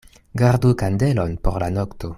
Gardu kandelon por la nokto.